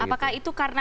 apakah itu karena